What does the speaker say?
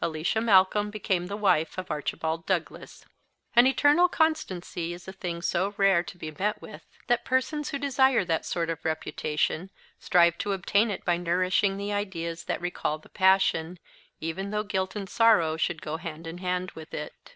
Alicia Malcolm became the wife of Archibald Douglas. An eternal constancy is a thing so rare to be met with, that persons who desire that sort of reputation strive to obtain it by nourishing the ideas that recall the passion, even though guilt and sorrow should go hand in hand with it.